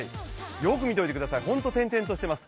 よく見ておいてくださいホント点々としています。